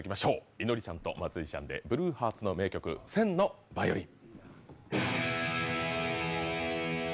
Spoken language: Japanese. いのりちゃんとまつりちゃんでＢＬＵＥＨＥＡＲＴＳの名曲「１０００のバイオリン」。